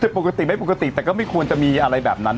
ปกติไม่ปกติแต่ก็ไม่ควรจะมีอะไรแบบนั้น